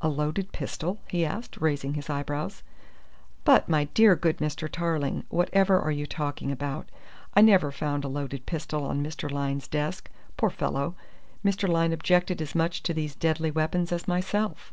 "A loaded pistol?" he asked, raising his eyebrows, "but, my dear good Mr. Tarling, whatever are you talking about? I never found a loaded pistol on Mr. Lyne's desk poor fellow! Mr. Lyne objected as much to these deadly weapons as myself."